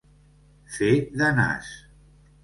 Fer de nas.